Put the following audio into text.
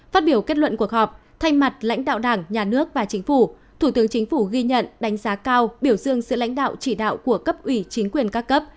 phát biểu kết luận cuộc họp thay mặt lãnh đạo đảng nhà nước và chính phủ thủ tướng chính phủ ghi nhận đánh giá cao biểu dương sự lãnh đạo chỉ đạo của cấp ủy chính quyền các cấp